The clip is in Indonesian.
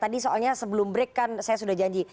tadi soalnya sebelum break kan saya sudah janji